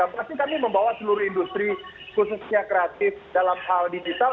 pasti kami membawa seluruh industri khususnya kreatif dalam hal digital